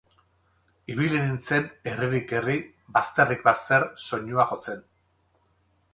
Ibili nintzen herririk herri, bazterrik bazter soinua jotzen.